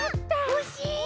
おしい！